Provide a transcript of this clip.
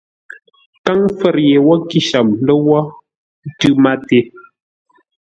Kâŋ fə̌r ye wə́ kíshəm lə́wó, ə́ tʉ́ máté.